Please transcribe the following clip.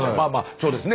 そうですね。